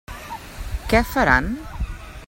Què faran?